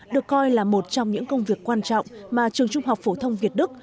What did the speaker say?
được coi là một trong những công việc quan trọng mà trường trung học phổ thông việt đức